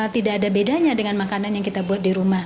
tidak ada bedanya dengan makanan yang kita buat di rumah